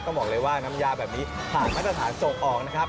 บอกเลยว่าน้ำยาแบบนี้ผ่านมาตรฐานส่งออกนะครับ